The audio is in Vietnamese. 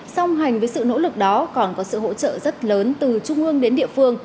song hành với sự nỗ lực đó còn có sự hỗ trợ rất lớn từ trung ương đến địa phương